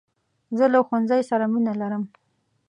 زه له ښوونځۍ سره مینه لرم .